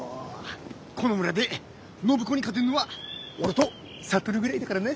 この村で暢子に勝てるのは俺と智ぐらいだからな。